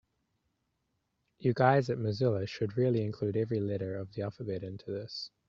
You guys at Mozilla should really include every letter of the alphabet into this.